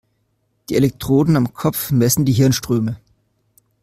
Die Elektroden am Kopf messen die Hirnströme.